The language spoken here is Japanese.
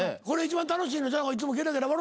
これ一番楽しいのんちゃうか。